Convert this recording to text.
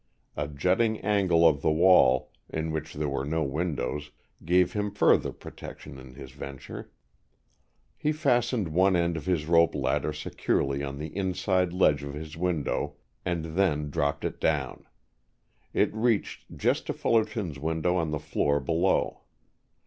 A jutting angle of the wall, in which there were no windows, gave him further protection in his venture. He fastened one end of his rope ladder securely on the inside ledge of his window, and then dropped it down. It reached just to Fullerton's window on the floor below.